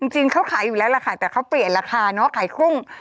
จริงเขาขายอยู่แล้วล่ะค่ะแต่เขาเปลี่ยนราคาเนาะขายกุ้ง